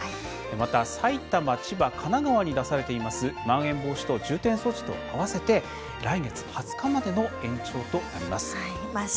また、埼玉、千葉、神奈川に出されていますまん延防止等重点措置とあわせて来月２０日までの延長となります。